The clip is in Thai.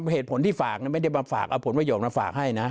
เหตุผลที่ฝากไม่ได้มาฝากเอาผลประโยคมาฝากให้นะ